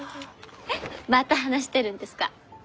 また話してるんですか？